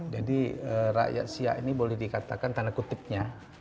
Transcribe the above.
jadi rakyat syia ini boleh dikatakan tanda kutipnya